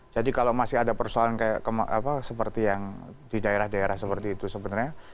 jadi kalau masih ada persoalan seperti yang di daerah daerah seperti itu sebenarnya